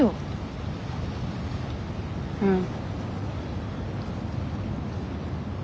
うん。